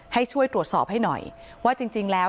ให้ช่วยตรวจสอบให้หน่อยว่าจริงแล้ว